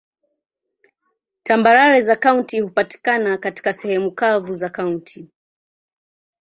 Tambarare za kaunti hupatikana katika sehemu kavu za kaunti.